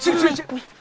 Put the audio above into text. xỉu xỉu xỉu